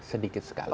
itu sedikit sekali